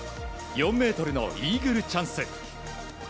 ４ｍのイーグルチャンス。